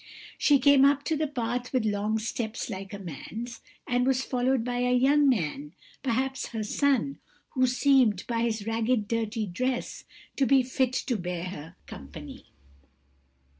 She came up the path with long steps like a man's, and was followed by a young man, perhaps her son, who seemed, by his ragged dirty dress, to be fit to bear her company.